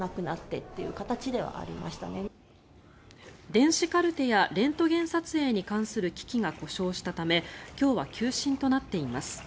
電子カルテやレントゲン撮影に関する機器が故障したため今日は休診となっています。